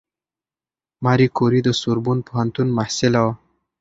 ماري کوري د سوربون پوهنتون محصله وه.